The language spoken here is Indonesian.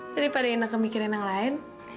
daripada enak kemikirin yang lain